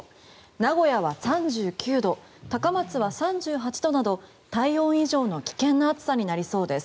名古屋は３９度高松は３８度など体温以上の危険な暑さになりそうです。